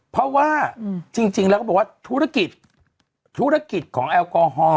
เพราะว่าจริงแล้วก็บอกว่าธุรกิจธุรกิจของแอลกอฮอล